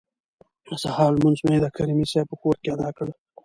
د سهار لمونځ مو د کریمي صیب په کور کې ادا کړ.